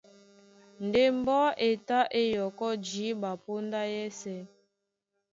Ndé mbɔ́ e tá é yɔkɔ́ jǐɓa póndá yɛ́sɛ̄.